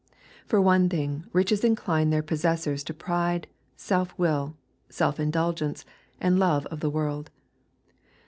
For one thing, riches incline their possessors to pride, self will, self indulgence, and love of the world.